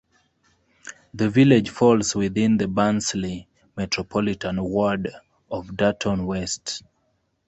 The village falls within the Barnsley Metropolitan ward of Darton West.